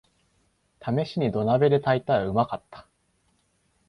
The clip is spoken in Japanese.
ためしに土鍋で炊いたらうまかった